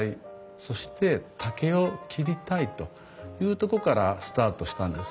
そして竹を切りたいというとこからスタートしたんですね。